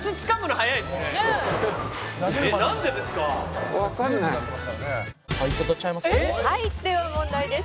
「はいでは問題です」